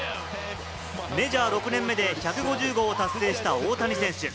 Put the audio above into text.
メジャー６年目で１５０号を達成した大谷選手。